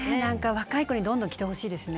若い子にどんどん着てほしいですね。